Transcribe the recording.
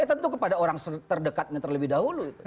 tentu kepada orang terdekatnya terlebih dahulu